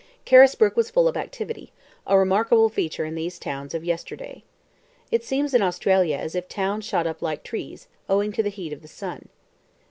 Carisbrook was full of activity, a remarkable feature in these towns of yesterday. It seems in Australia as if towns shot up like trees, owing to the heat of the sun.